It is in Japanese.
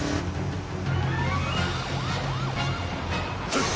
はっ！